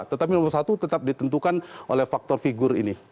tetapi nomor satu tetap ditentukan oleh faktor figur ini